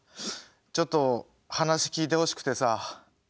ちょっと話聞いてほしくてさ。